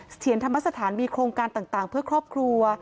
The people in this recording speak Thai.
เถียรธรรมสถานมีโครงการต่างเพื่อครอบครัว